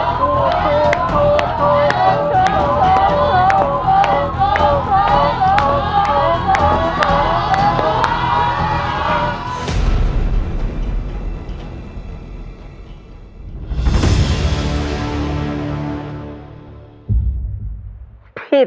คนตาบอด